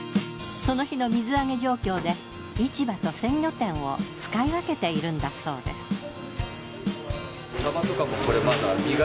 その日の水揚げ状況で市場と鮮魚店を使い分けているんだそうです。